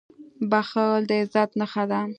• بښل د عزت نښه ده.